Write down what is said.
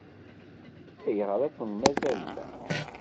Ayɣer ay ken-mazal da?